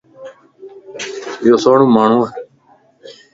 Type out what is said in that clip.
ايو سٺو ماڻھو ا